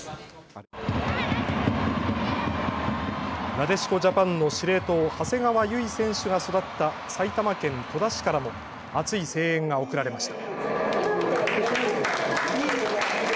なでしこジャパンの司令塔、長谷川唯選手が育った埼玉県戸田市からも熱い声援が送られました。